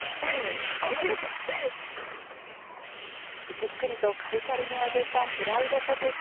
じっくりとカリカリに揚げたフライドポテト。